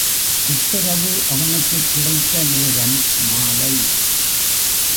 உத்தரவு அவனுக்குக் கிடைத்த நேரம் மாலை.